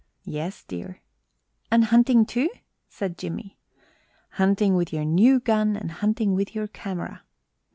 "Yes, dear." "And hunting, too?" said Jimmie. "Hunting with your new gun and hunting with your camera."